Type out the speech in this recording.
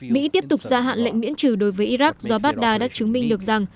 mỹ tiếp tục gia hạn lệnh miễn trừ đối với iraq do baghdad đã chứng minh được rằng